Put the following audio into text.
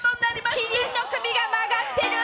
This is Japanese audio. キリンの首が曲がってる。